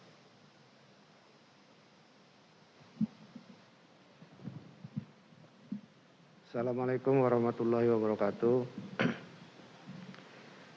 wassalamu'alaikum warahmatullahi wabarakatuh